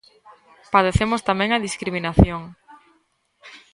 Padecemos tamén a discriminación.